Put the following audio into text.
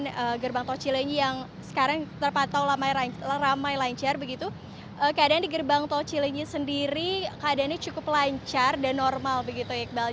dengan gerbang tol cilenyi yang sekarang terpantau ramai lancar begitu keadaan di gerbang tol cilenyi sendiri keadaannya cukup lancar dan normal begitu iqbal